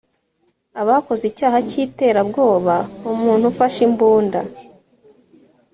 aba akoze icyaha cy iterabwoba umuntu ufashe imbunda